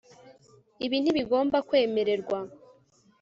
Ibi ntibigomba kwemererwa